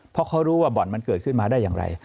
เพราะเขารู้ว่าบ่อนมันเกิดขึ้นมาได้อย่างไร